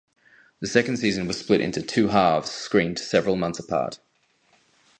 The second season was split into two halves screened several months apart.